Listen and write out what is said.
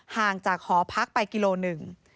ห่างจากหอพักไปกิโลหนึ่ง